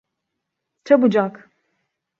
Çabucak.